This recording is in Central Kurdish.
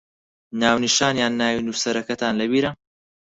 ناونیشان یان ناوی نووسەرەکەتان لەبیرە؟